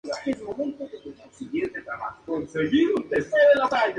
El mío es ser útil a mi país y contribuir al engrandecimiento del Uruguay.